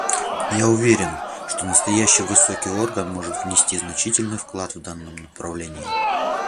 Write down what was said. Я уверен, что настоящий высокий орган может внести значительный вклад в данном направлении.